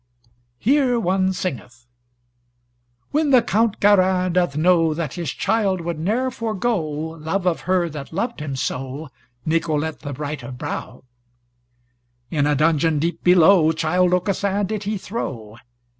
Here one singeth: When the Count Garin doth know That his child would ne'er forego Love of her that loved him so, Nicolete, the bright of brow, In a dungeon deep below Childe Aucassin did he throw.